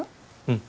うん。